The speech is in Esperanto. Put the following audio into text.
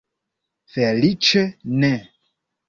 Feliĉe ne.